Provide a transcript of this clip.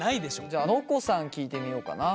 じゃあのこさん聞いてみようかな。